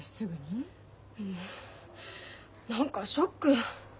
うん何かショック。